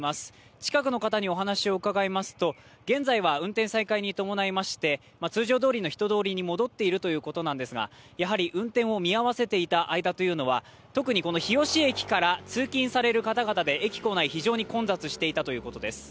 近くの方にお話を伺いますと現在は運転再開に伴いまして通常どおりの人通りに戻っているということなんですが、やはり運転を見合わせていた間というのは、特に日吉駅から通勤される方々で駅構内、非常に混雑していたということです。